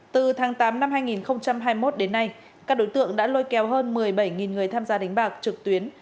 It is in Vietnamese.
từ tháng tám năm hai nghìn hai mươi một đến nay các đối tượng đã lôi kéo hơn một mươi bảy người tham gia đánh bạc trực tuyến